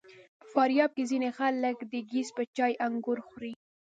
په فاریاب کې ځینې خلک د ګیځ په چای انګور خوري.